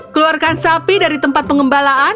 keluarkan sapi dari tempat pengembalaan